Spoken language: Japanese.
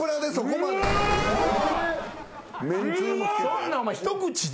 そんなんお前一口で？